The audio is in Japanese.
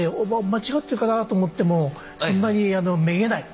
間違ってるかなと思ってもそんなにめげない。